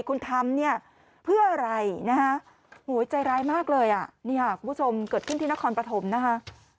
คุณทำเนี่ยเพื่ออะไรนะฮะโหใจร้ายมากเลยอ่ะนี่ค่ะคุณผู้ชมเกิดขึ้นที่นครปฐมนะคะ